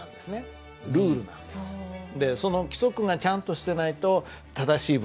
その規則がちゃんとしてないと正しい文章が作れない。